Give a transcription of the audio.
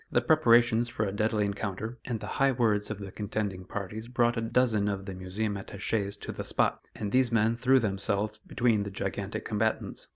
The preparations for a deadly encounter, and the high words of the contending parties brought a dozen of the Museum attaches to the spot, and these men threw themselves between the gigantic combatants.